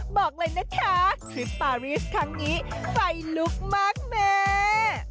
บอกเลยนะคะทริปปารีสครั้งนี้ไฟลุกมากแม่